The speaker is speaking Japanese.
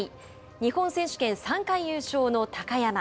日本選手権３回優勝の高山。